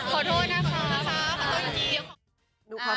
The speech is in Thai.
ขอโทษนะครับ